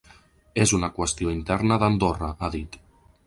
És una qüestió interna d’Andorra, ha dit.